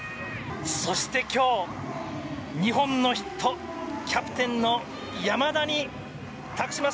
そして今日、２本のヒットキャプテンの山田に託します。